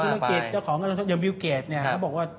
เจ้าของเจ้าของเจ้าของอย่างบิวเกรดเนี่ยเขาบอกว่า